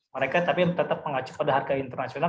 mereka tapi tetap mengacu pada harga internasional